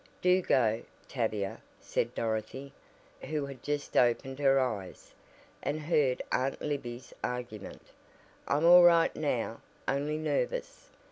"Do go, Tavia," said Dorothy, who had just opened her eyes, and heard Aunt Libby's argument, "I'm all right now; only nervous."